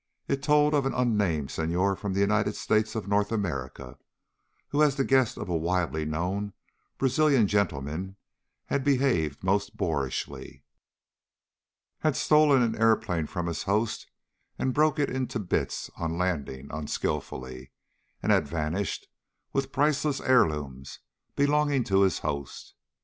It told of an unnamed Senhor from the United States of the North America, who as the guest of a widely known Brazilian gentleman had behaved most boorishly, had stolen an airplane from his host and broken it to bits on landing unskilfully, and had vanished with priceless heirlooms belonging to his host.